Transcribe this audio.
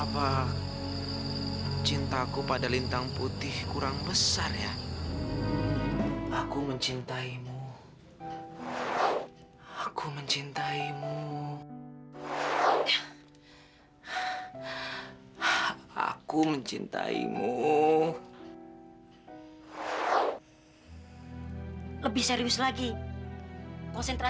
sampai jumpa di video selanjutnya